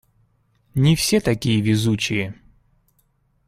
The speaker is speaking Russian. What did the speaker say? Не все такие везучие.